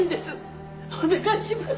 お願いします。